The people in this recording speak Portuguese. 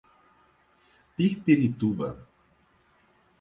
Pirpirituba